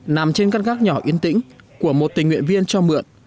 nằm trên căn gác nhỏ yên tĩnh của một tình nguyện viên cho mượn